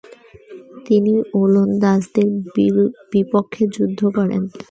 তিনি ওলন্দাজদের বিপক্ষে যুদ্ধ করেন।